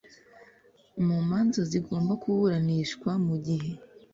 Mu manza zigomba kuburanishwa mu gihe